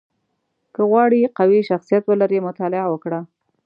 • که غواړې قوي شخصیت ولرې، مطالعه وکړه.